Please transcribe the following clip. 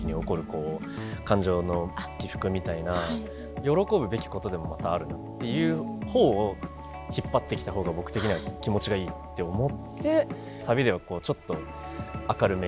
こう感情の起伏みたいな喜ぶべきことでもまたあるなっていう方を引っ張ってきた方が僕的には気持ちがいいって思ってサビではちょっと明るめに。